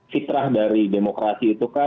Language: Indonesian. fitrah dari demokrasi itu